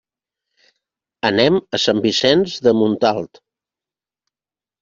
Anem a Sant Vicenç de Montalt.